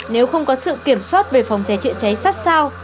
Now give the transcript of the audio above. nếu không có sự kiểm soát về phòng cháy trị cháy sắt sao